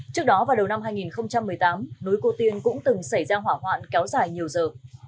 trước đó vào đầu năm hai nghìn một mươi tám núi cô tiên cũng từng xảy ra hỏa hoạn kéo dài nhiều giờ